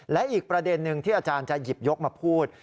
และอีกประเด็นหนึ่งที่อาจารย์จะหยิบยกมาพูด